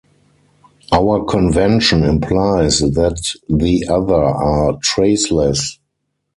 Our convention implies that the other are traceless.